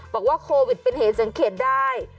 บอกว่าโควิดเป็นเหตุสังเกตได้